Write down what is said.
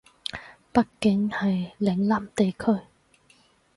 畢竟係嶺南地區